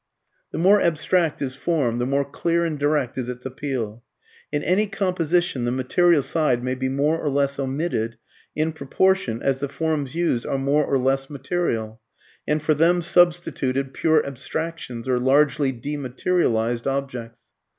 The more abstract is form, the more clear and direct is its appeal. In any composition the material side may be more or less omitted in proportion as the forms used are more or less material, and for them substituted pure abstractions, or largely dematerialized objects.